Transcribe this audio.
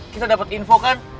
kita dapet info kan